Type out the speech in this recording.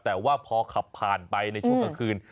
แต่ว่าพอขับผ่านไปในช่วงกลางคืน